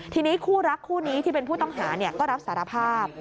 ทีนี้คู่รักคู่นี้ที่เป็นผู้ต้องหาก็รับสารภาพ